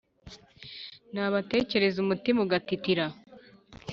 nabatekereza umutima ugatitira